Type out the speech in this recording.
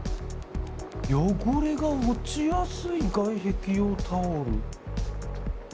「汚れが落ちやすい外壁用タイル」。